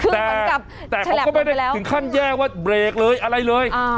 แต่เขาก็ไม่ได้ถึงขั้นแยกว่าเบรกเลยอะไรเลย